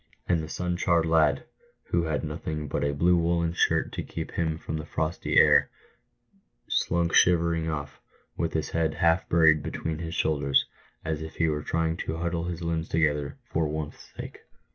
And the sun charred lad, who had nothing but a blue woollen shirt to keep him from the frosty air, slunk shivering off, with his head half buried between his shoulders, as if he were trying to huddle his limbs together for warmth's sake.